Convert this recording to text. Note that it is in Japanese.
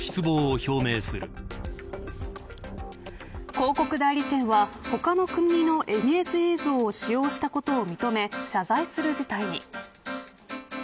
広告代理店は他の国のイメージ映像を使用したことを認め謝罪する事態に。